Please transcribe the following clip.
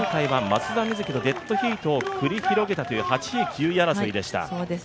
前回は松田瑞生とレッドヒートを繰り広げた、８位、９位争いでした。